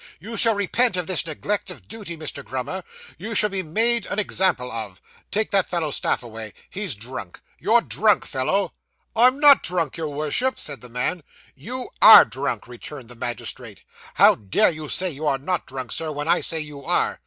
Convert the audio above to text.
'You shall repent of this neglect of duty, Mr. Grummer; you shall be made an example of. Take that fellow's staff away. He's drunk. You're drunk, fellow.' 'I am not drunk, your Worship,' said the man. 'You _are _drunk,' returned the magistrate. 'How dare you say you are not drunk, Sir, when I say you are?